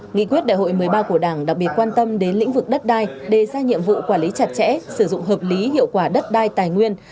nghị quyết đại hội một mươi ba của đảng đặc biệt quan tâm đến lĩnh vực đất đai đề ra nhiệm vụ quản lý chặt chẽ sử dụng hợp lý hiệu quả đất đai tài nguyên